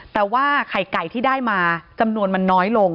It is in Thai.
แต่ว่าไข่ไก่ที่ได้มาจำนวนมันน้อยลง